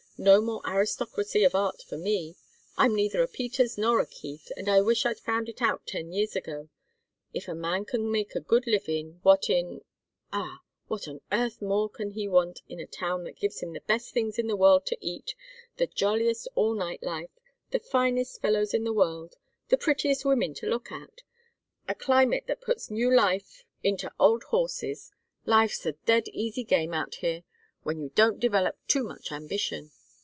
No more aristocracy of art for me. I'm neither a Peters nor a Keith, and I wish I'd found it out ten years ago. If a man can make a good living, what in ah, what on earth more can he want in a town that gives him the best things in the world to eat, the jolliest all night life, the finest fellows in the world, the prettiest women to look at, a climate that puts new life into old horses life's a dead easy game out here when you don't develop too much ambition.